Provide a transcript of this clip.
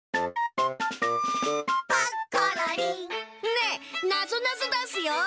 ねえなぞなぞだすよ。